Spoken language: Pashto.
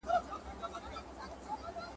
هیڅ ټولنه بې ستونزو نه وي.